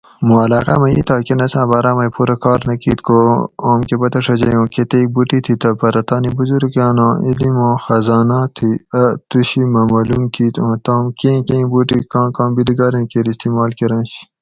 موں علاقاۤ مئ ایتھائ کن اساں باۤراۤ مئ پورہ کار نہ کیت کو اوم کہ پتہ ڛجئ اوں کتیک بوٹی تھی تہ پرہ تانی بزروکاناں علماں خزاناۤ تھی اۤ توشی مہ مالوم کیت اوں تام کیں کیں بوٹی کاں کاں بیلیگاۤریں کیر استعمال کرنش